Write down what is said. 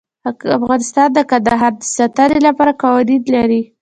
افغانستان د کندهار د ساتنې لپاره قوانین لري.